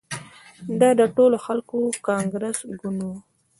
دا د ټولو خلکو کانګرس ګوند وو.